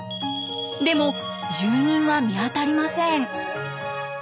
でも住人は見当たりません。